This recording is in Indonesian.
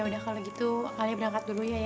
ya udah kalau gitu alia berangkat dulu ya ya